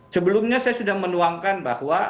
sebelumnya saya sudah menuangkan bahwa